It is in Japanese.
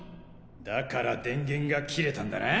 だから電源が切れたんだな。